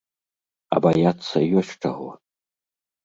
А баяцца ёсць чаго.